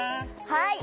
はい。